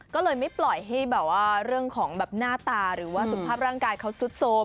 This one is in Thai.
ก็เลยไม่ปล่อยให้แบบว่าเรื่องของแบบหน้าตาหรือว่าสุขภาพร่างกายเขาสุดโทรม